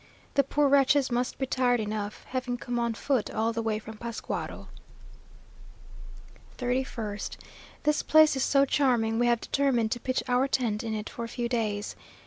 The poor wretches must be tired enough, having come on foot all the way from Pascuaro. 31st. This place is so charming, we have determined to pitch our tent in it for a few days.